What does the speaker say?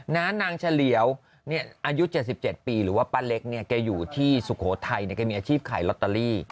นางเฉลียวอายุ๗๗ปีหรือว่าป้าเล็กเนี่ยแกอยู่ที่สุโขทัยแกมีอาชีพขายลอตเตอรี่